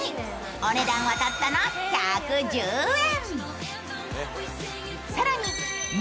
お値段はたったの１１０円。